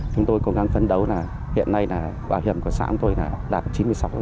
chúng tôi cố gắng phấn đấu là hiện nay là bảo hiểm của xã chúng tôi là đạt chín mươi sáu